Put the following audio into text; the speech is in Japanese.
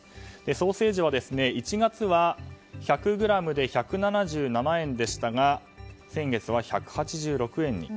ソーセージは１月は１００ｇで１７７円でしたが先月は１８６円に。